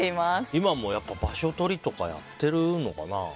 今も場所取りとかやってるのかな。